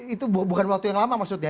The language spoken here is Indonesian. itu bukan waktu yang lama maksudnya